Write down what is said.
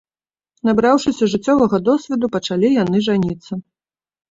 Набраўшыся жыццёвага досведу, пачалі яны жаніцца.